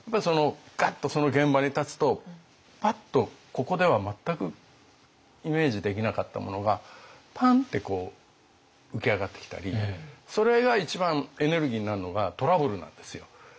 ガッとその現場に立つとパッとここでは全くイメージできなかったものがパンッて浮き上がってきたりそれが一番エネルギーになるのがトラブルなんですよ。